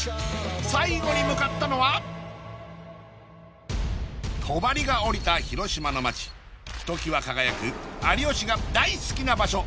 最後に向かったのは帳がおりた広島の町ひときわ輝く有吉が大好きな場所